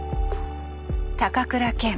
高倉健。